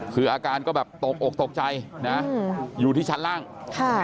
คืออาการก็แบบตกอกตกใจนะอยู่ที่ชั้นล่างค่ะ